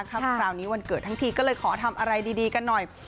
คราวนี้วันเกิดทั้งทีก็เลยขอทำอะไรดีกันหน่อย